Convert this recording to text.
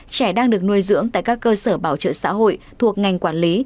trẻ đang được nuôi dưỡng tại các cơ sở bảo trợ xã hội thuộc ngành quản lý